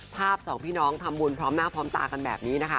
สองพี่น้องทำบุญพร้อมหน้าพร้อมตากันแบบนี้นะคะ